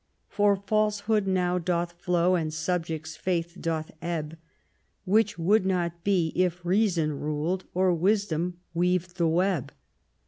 For falsehood now doth flow, and subject's faith doth ebb ; Which would not be if Reason ruled, or Wisdom weaved the web.